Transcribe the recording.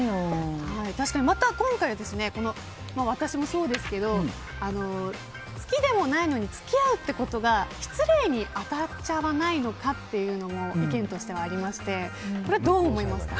また今回は、私もそうですけど好きでもないのに付き合うっていうことが失礼に当たっちゃわないのかっていうのも意見としてはありましてどう思いますか？